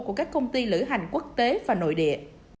của các công ty lữ hành quốc tế và nội địa